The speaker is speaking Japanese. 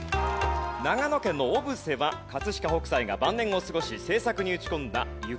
長野県の小布施は飾北斎が晩年を過ごし制作に打ち込んだゆかりの地。